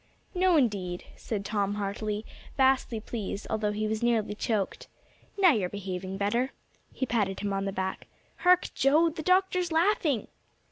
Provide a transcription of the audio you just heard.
"No, indeed," said Tom heartily, vastly pleased, although he was nearly choked. "Now you're behaving better." He patted him on the back. "Hark, Joe! The doctor's laughing!"